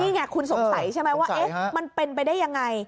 นี่ไงคุณสงสัยใช่ไหมว่ามันเป็นไปได้ยังไง